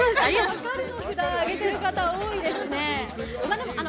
「わかるう」の札上げてる人、多いですね。